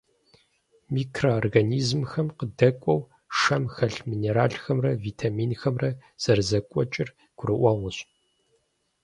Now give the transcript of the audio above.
Микроорганизмхэм къадэкӀуэу, шэм хэлъ минералхэмрэ витаминхэмрэ зэрызэкӀуэкӀыр гурыӀуэгъуэщ.